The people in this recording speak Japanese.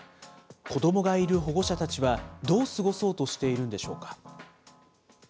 子どもがいる保護者たちはどう過ごそうとしているのでしょうか。